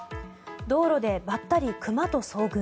道路でばったりクマと遭遇。